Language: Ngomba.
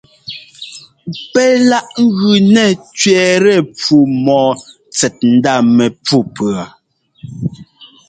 Pɛ́k láꞌ ŋ́gʉ nɛ́ tsẅɛ́ɛtɛ pfú mɔ́ɔ tsɛt ndá mɛpfú pʉɔ.